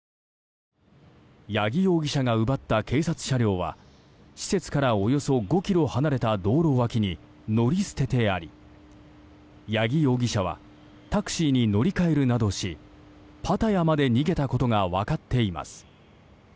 八木容疑者が奪った警察車両は施設からおよそ５ｋｍ離れた道路脇に乗り捨ててあり八木容疑者はタクシーに乗り換えるなどしパタヤまで逃げたことが分かっています。